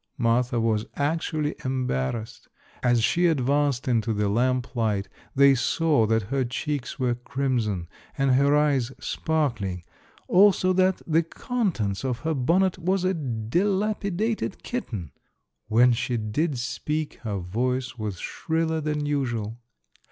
Martha was actually embarrassed. As she advanced into the lamplight they saw that her cheeks were crimson and her eyes sparkling, also that the contents of her bonnet was a dilapidated kitten. When she did speak, her voice was shriller than usual.